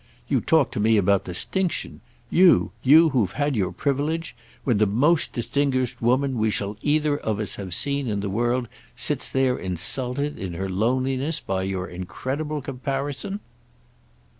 You talk to me about 'distinction'—you, you who've had your privilege?—when the most distinguished woman we shall either of us have seen in this world sits there insulted, in her loneliness, by your incredible comparison!"